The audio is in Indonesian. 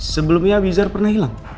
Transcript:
sebelumnya abizar pernah hilang